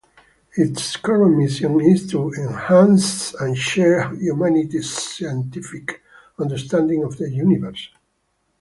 Its current mission is to enhance and share humanity's scientific understanding of the universe.